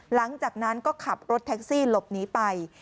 หลังจากนั้นก็ขับรถแท็กซี่หลบหนีไป